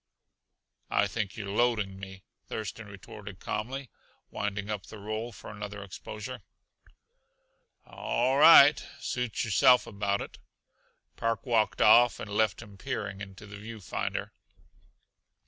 "I think you're loading me," Thurston retorted calmly, winding up the roll for another exposure. "All right suit yourself about it." Park walked off and left him peering into the view finder.